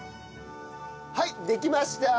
はいできました！